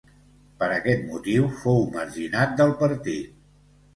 Per aquest motiu fou marginat del partit.